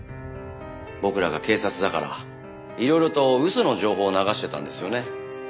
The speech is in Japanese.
僕らが警察だからいろいろと嘘の情報を流してたんですよね？